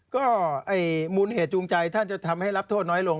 ก็มูลเหตุจูงใจท่านจะทำให้รับโทษน้อยลง